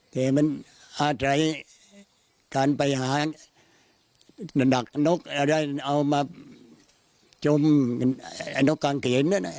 แต่มันอาจร้ายการไปหาดักนกอะไรเอามาจมนกกลางเกณฑ์